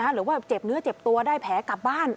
หรือว่าเจ็บเนื้อเจ็บตัวได้แผลกลับบ้าน